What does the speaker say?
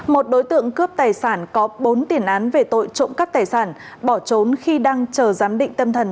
một đối tượng cướp tài sản có bốn tiền án về tội trộm cắp tài sản bỏ trốn khi đang chờ giám định tâm thần